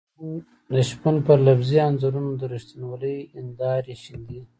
د شپون پر لفظي انځورونو د رښتینولۍ هېندارې شيندي.